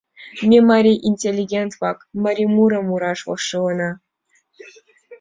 Ме, марий интеллигент-влак, марий мурым мураш вожылына.